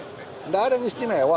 nggak ada yang istimewa